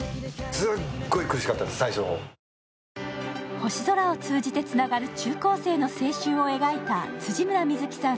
星空を通じてつながる中高生の青春を描いた辻村深月さん